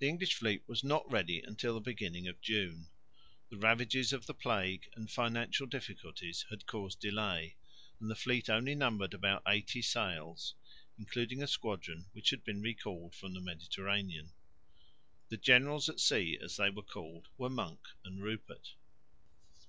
The English fleet was not ready until the beginning of June. The ravages of the plague and financial difficulties had caused delay; and the fleet only numbered about eighty sail, including a squadron which had been recalled from the Mediterranean. The "Generals at Sea," as they were called, were Monk and Rupert.